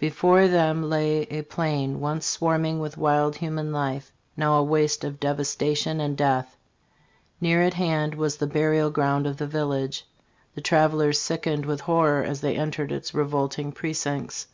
"Before them lay a plain once swarming with wild human life, now a waste of devastation and death. Near at band was the burial ground of the village. The travelers sickened with horror as they entered its revolting precincts.